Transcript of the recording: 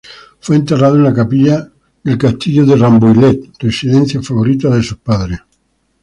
Fue enterrado en la capilla del Castillo de Rambouillet, residencia favorita de sus padres.